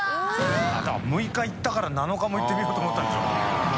戸次）六日いったから七日もいってみようと思ったんでしょ。